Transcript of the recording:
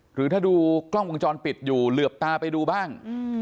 หรือถ้าดูกล้องวงจรปิดอยู่เหลือบตาไปดูบ้าง